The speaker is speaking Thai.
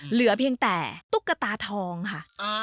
เหลือเพียงแต่ตุ๊กตาทองค่ะ